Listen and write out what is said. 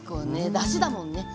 だしだもんねはい。